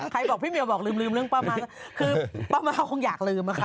ใครบอกพี่เมียวบอกลืมเรื่องป้ามาก